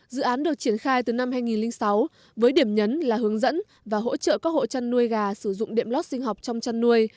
dự án được triển khai từ năm hai nghìn sáu với điểm nhấn là hướng dẫn và hỗ trợ các hộ chăn nuôi gà sử dụng điện lót sinh học trong chăn nuôi